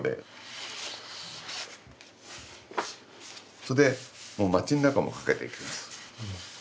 それでもう街の中も駆けていきます。